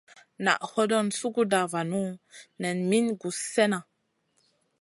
Naʼ hodon suguda vanu nen min guss slena.